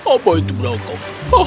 apa itu menangkap